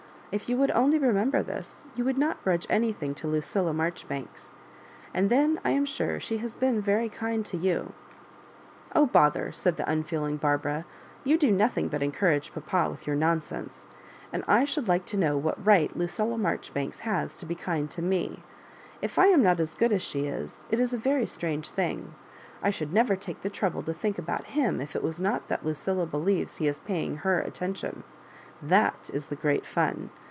If you would only remember this, you would not grudge anything to Lucilla Marjo ribanks; and then I am sure siie has been very kind to you, "Oh, bother f*' said the unfeeling Barbara. "You do nothing but encourage papa with your nonsense. And I should like to know what right Lucilla Marjoribanks has to be kind to mc? If I am not as good as she, it is a very strange thing. I should never take the trouble to think about him if it was not that Lucilla believes he is pay ing her attention— that is the great fun.